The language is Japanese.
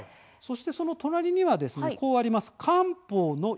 隣には、こうあります。